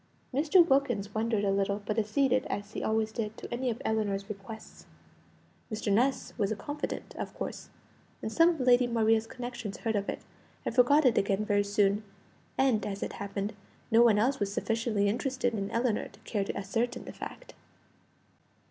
Mr. Wilkins wondered a little; but acceded, as he always did, to any of Ellinor's requests. Mr. Ness was a confidant, of course, and some of Lady Maria's connections heard of it, and forgot it again very soon; and, as it happened, no one else was sufficiently interested in Ellinor to care to ascertain the fact.